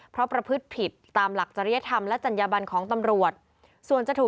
เพราะประพฤติผิดตามหลักจริยธรรมและจัญญบันของตำรวจส่วนจะถูก